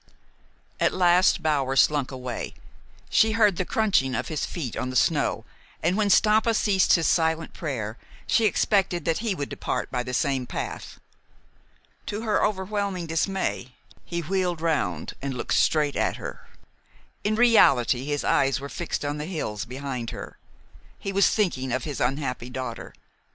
At last Bower slunk away. She heard the crunching of his feet on the snow, and, when Stampa ceased his silent prayer, she expected that he would depart by the same path. To her overwhelming dismay, he wheeled round and looked straight at her. In reality his eyes were fixed on the hills behind her. He was thinking of his unhappy daughter.